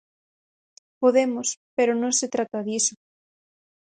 Podemos, pero non se trata diso.